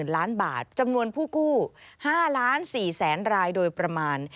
๕๗๐๐๐๐ล้านบาทจำนวนผู้กู้๕๔ล้านรายโดยประมาณ